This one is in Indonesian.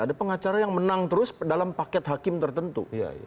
ada pengacara yang menang terus dalam paket hakim tertentu